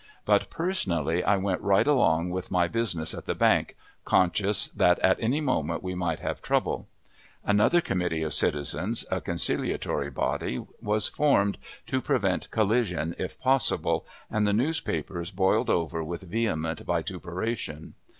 But personally I went right along with my business at the bank, conscious that at any moment we might have trouble. Another committee of citizens, a conciliatory body, was formed to prevent collision if possible, and the newspapers boiled over with vehement vituperation.